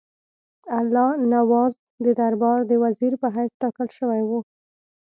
الله نواز د دربار د وزیر په حیث ټاکل شوی وو.